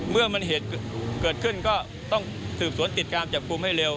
เมื่อมันเหตุเกิดขึ้นก็ต้องสืบสวนติดตามจับกลุ่มให้เร็ว